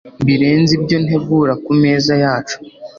birenze ibyo ntegura ku meza yacu.